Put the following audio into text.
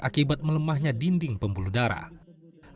akibat melemahnya dinding pembuluh darah